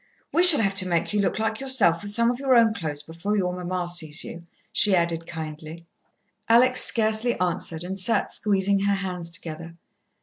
"We shall have to make you look like yourself, with some of your own clothes, before your mamma sees you," she added kindly. Alex scarcely answered, and sat squeezing her hands together.